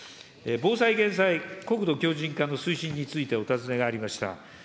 防災・減災、国土強じん化の推進について、お尋ねがありました。